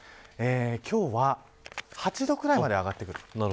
今日は８度ぐらいまで上がってくる。